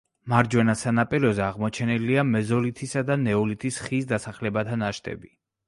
მარჯვენა სანაპიროზე აღმოჩენილია მეზოლითისა და ნეოლითის ხანის დასახლებათა ნაშთები.